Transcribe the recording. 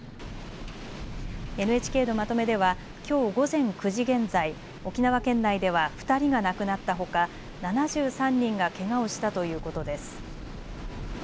ＮＨＫのまとめではきょう午前９時現在、沖縄県内では２人が亡くなったほか、７３人がけがをしたということです。